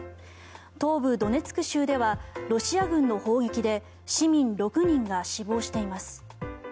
東部ドネツク州ではロシア軍の砲撃で市民６人が死亡しています。